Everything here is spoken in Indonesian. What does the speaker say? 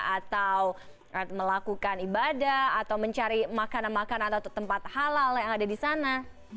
atau melakukan ibadah atau mencari makanan makanan atau tempat halal yang ada di sana